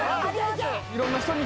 いろんな人に。